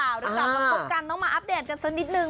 ลำดุกันต้องมาอัพเดทกันซักนิดนึง